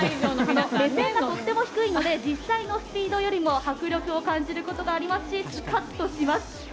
視線がとても低いので実際のスピードよりも迫力を感じることができますしスカッとします。